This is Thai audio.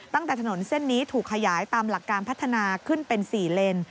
ตั้งแต่ถนนเส้นนี้ถูกขยายตามหลักการพัฒนาขึ้นเป็น๔เลน